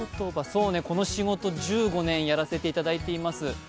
そうね、この仕事１５年やらせていただいています。